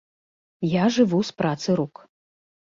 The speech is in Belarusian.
Я жыву з працы рук.